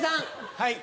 はい。